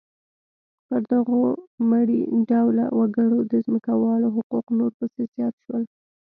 پر دغو مري ډوله وګړو د ځمکوالو حقوق نور پسې زیات شول.